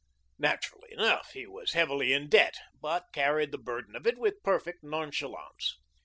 Naturally enough, he was heavily in debt, but carried the burden of it with perfect nonchalance.